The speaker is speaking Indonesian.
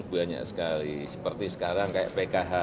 banyak sekali seperti sekarang kayak pkh